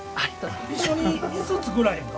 一緒に椅子作らへんか？